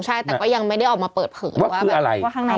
แต่ก็ยังไม่ได้ออกมาเปิดเผลอว่าคืออะไร